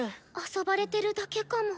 遊ばれてるだけかも。